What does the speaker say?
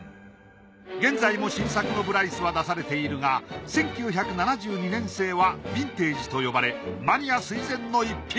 現在も新作のブライスは出されているが１９７２年製はヴィンテージと呼ばれマニア垂涎の逸品。